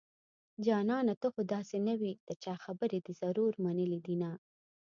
جانانه ته خو داسې نه وي د چا خبرې دې ضرور منلي دينه